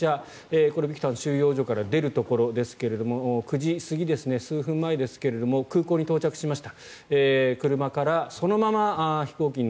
これ、ビクタン収容所から出るところですが９時過ぎですね数分前ですが空港に到着しました。